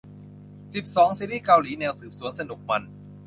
สิบสอง ซีรีส์เกาหลีแนวสืบสวน สนุก มัน